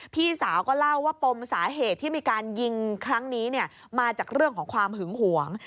พี่สาวก็เล่าว่าปมสาเหตุที่มีการยิงครั้งนี้มาจากเรื่องของความหึงหวง